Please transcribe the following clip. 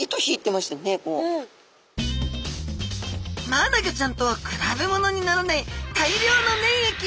マアナゴちゃんとは比べものにならない大量の粘液！